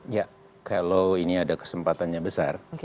ya kalau ini ada kesempatannya besar